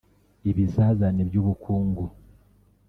ibizazane by'ubukungu